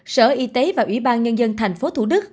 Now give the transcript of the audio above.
sở y tế và ubnd tp hcm